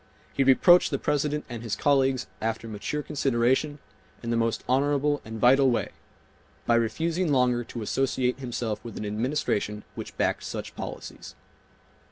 He reproached the President and his colleagues after mature consideration, in the most honorable and vital way,—by refusing longer to associate himself with an Administration which backed such policies.